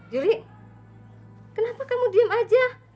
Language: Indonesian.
yuli kenapa kamu diam saja